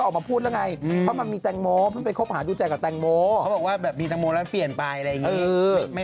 อยากรู้ความจริงเลยคุยกันไม่เสร็จเลยคุณแม่